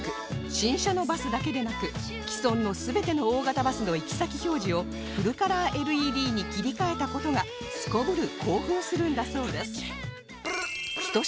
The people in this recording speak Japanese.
新車のバスだけでなく既存の全ての大型バスの行き先表示をフルカラー ＬＥＤ に切り替えた事がすこぶる興奮するんだそうです